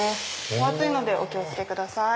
お熱いのでお気を付けください。